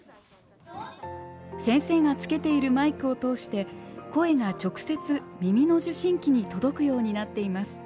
先生がつけているマイクを通して声が直接耳の受信機に届くようになっています。